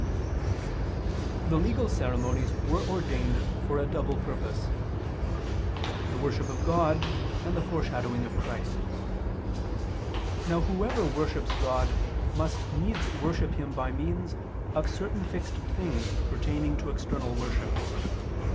2), the legal ceremonies were ordained for a double purpose; the worship of God, and the foreshadowing of Christ. Now whoever worships God must needs worship Him by means of certain fixed things pertaining to external worship.